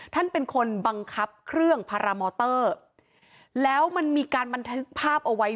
ท่านเป็นคนบังคับเครื่องพารามอเตอร์แล้วมันมีการบันทึกภาพเอาไว้